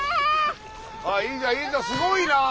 いいじゃんいいじゃんすごいな！